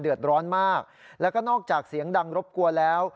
เดือดร้อนมากแล้วก็นอกจากเสียงดังรบกวนแล้ว